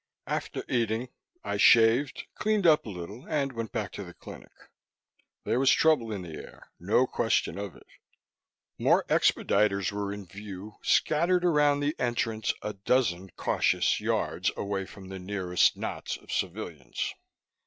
After eating, I shaved, cleaned up a little and went back to the clinic. There was trouble in the air, no question of it. More expediters were in view, scattered around the entrance, a dozen, cautious yards away from the nearest knots of civilians.